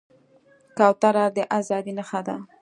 کوتره د ازادۍ نښه ده.